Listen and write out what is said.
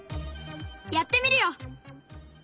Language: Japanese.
やってみるよ！